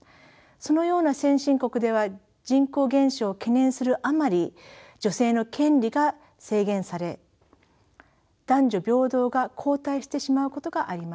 そのような先進国では人口減少を懸念するあまり女性の権利が制限され男女平等が後退してしまうことがあります。